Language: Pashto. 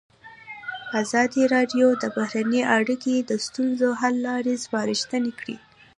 ازادي راډیو د بهرنۍ اړیکې د ستونزو حل لارې سپارښتنې کړي.